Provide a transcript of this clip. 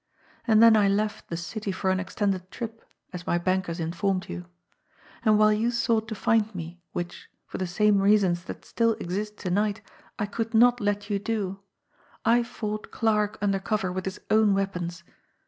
And then I 'left the city for an extended trip/ as my bankers informed you. And while you sought to find me, which, for the same reasons that still exist to night, I could not let you do, I fought Clarke under cover with his own weapons.